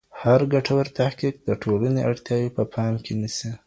هر ګټور تحقیق د ټولني اړتیاوې په پام کي نیسي.